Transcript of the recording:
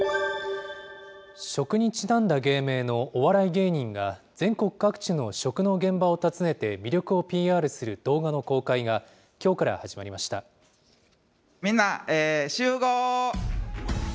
食にちなんだ芸名のお笑い芸人が、全国各地の食の現場を訪ねて魅力をＰＲする動画の公開が、きょうみんな、集合。